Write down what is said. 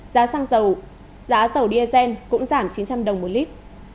giá xăng dầu giá dầu diesel cũng giảm chín trăm linh đồng một lít